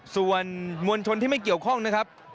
ส่วนมวลชนที่ไม่เกี่ยวข้องนะครับ